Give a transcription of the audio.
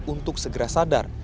untuk segera sadar